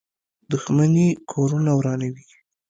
• دښمني کورونه ورانوي.